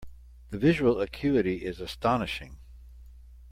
The visual acuity is astonishing.